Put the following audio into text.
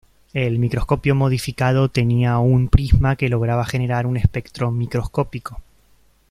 El microscopio modificado tenía un prisma que lograba generar un espectro microscópico.